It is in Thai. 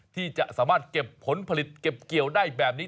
ที่จะสามารถเก็บผลผลิตเก็บเกี่ยวได้แบบนี้